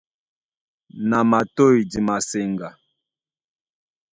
Na matôy di maseŋgá.